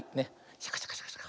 シャカシャカシャカシャカ。